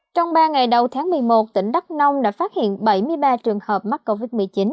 trong ba ngày đầu tháng một mươi một tỉnh đắk nông đã phát hiện bảy mươi ba trường hợp mắc covid một mươi chín